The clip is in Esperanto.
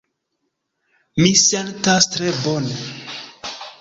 Mi sentas tre bone.